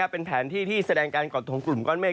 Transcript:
เป็นแผนที่ที่แสดงการก่อตัวของกลุ่มก้อนเมฆ